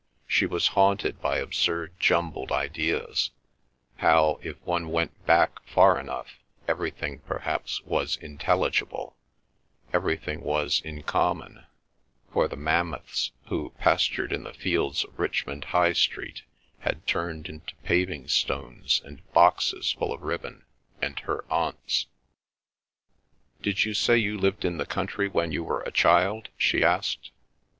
She was haunted by absurd jumbled ideas—how, if one went back far enough, everything perhaps was intelligible; everything was in common; for the mammoths who pastured in the fields of Richmond High Street had turned into paving stones and boxes full of ribbon, and her aunts. "Did you say you lived in the country when you were a child?" she asked.